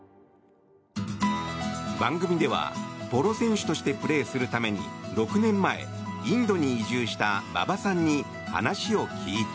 番組ではポロ選手としてプレーするために６年前、インドに移住した馬場さんに話を聞いた。